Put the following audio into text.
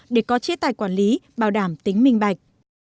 để có chế tài quản lý bảo đảm tính minh bạch